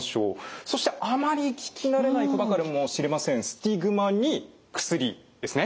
そしてあまり聞き慣れない言葉かもしれませんスティグマに薬ですね。